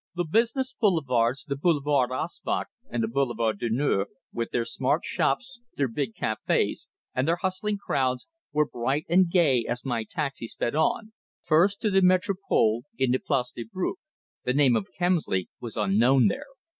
The business boulevards, the Boulevarde Auspach, and the Boulevard du Nord, with their smart shops, their big cafés, and their hustling crowds, were bright and gay as my taxi sped on, first to the Métropole, in the Place de Brouckere. The name of Kemsley was unknown there.